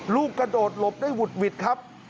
ลูกกระโดดหลบได้หุดหวิดครับ